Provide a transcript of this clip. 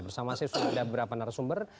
bersama saya sudah ada beberapa narasumber